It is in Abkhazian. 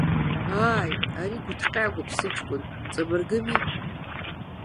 Ааи, ари гәҭҟьагоуп, сыҷкәын, ҵабыргыми?